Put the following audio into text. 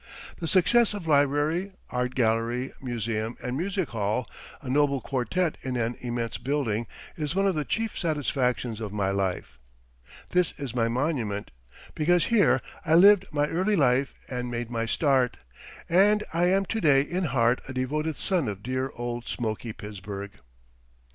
The success of Library, Art Gallery, Museum, and Music Hall a noble quartet in an immense building is one of the chief satisfactions of my life. This is my monument, because here I lived my early life and made my start, and I am to day in heart a devoted son of dear old smoky Pittsburgh.